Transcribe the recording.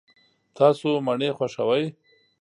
تاسو مڼې خوښوئ؟